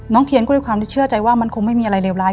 เทียนก็ด้วยความที่เชื่อใจว่ามันคงไม่มีอะไรเลวร้าย